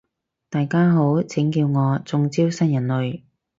大家好，請叫我中招新人類